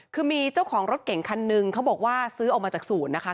คือมีเจ้าของรถเก่งคันนึงเขาบอกว่าซื้อออกมาจากศูนย์นะคะ